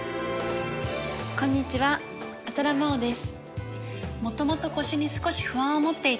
こんにちは浅田真央です。